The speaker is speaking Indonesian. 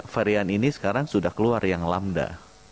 varian ini sekarang sudah keluar yang lamda